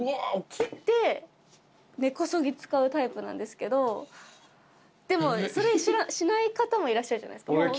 切って根こそぎ使うタイプなんですけどでもそれしない方もいらっしゃるじゃないですか。